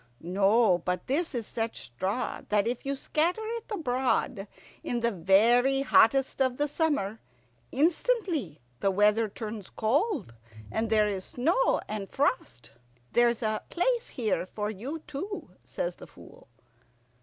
"No; but this is such straw that if you scatter it abroad in the very hottest of the summer, instantly the weather turns cold, and there is snow and frost." "There's a place here for you too," says the Fool.